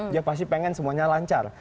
dia pasti pengen semuanya lancar